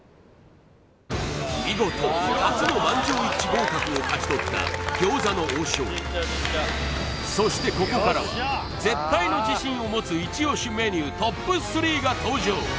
見事初の満場一致合格を勝ち取った餃子の王将そしてここからは絶対の自信を持つが登場！